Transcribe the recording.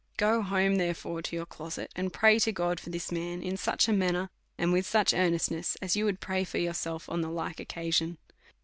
Go home, therefore, to your closet, and pray to God x3 310 A SERIOUS CALL TO A for this man, in such a manner^ and with such earnest ness as you would pray for yourself on the like occa sion.